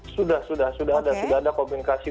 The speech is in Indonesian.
sudah sudah ada komunikasi